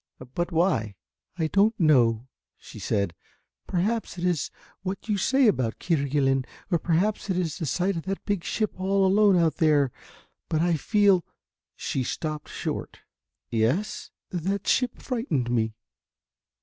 "But why?" "I don't know," said she, "perhaps it is what you say about Kerguelen, or perhaps it was the sight of that big ship all alone out there, but I feel " she stopped short. "Yes " "That ship frightened me."